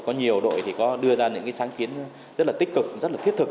có nhiều đội đưa ra những sáng kiến rất tích cực rất thiết thực